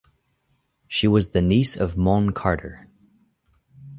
She was the niece of Maughan Carter.